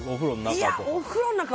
お風呂の中とか。